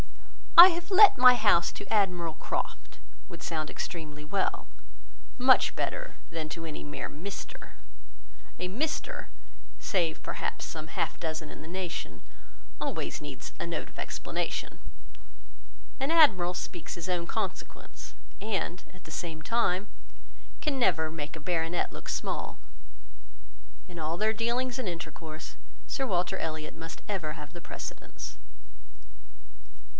"I have let my house to Admiral Croft," would sound extremely well; very much better than to any mere Mr.——; a Mr. (save, perhaps, some half dozen in the nation,) always needs a note of explanation. An admiral speaks his own consequence, and, at the same time, can never make a baronet look small. In all their dealings and intercourse, Sir Walter Elliot must ever have the precedence.